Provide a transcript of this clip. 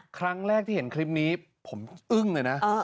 ครั้งแรกที่เห็นคลิปนี้ผมอึ้งเลยนะ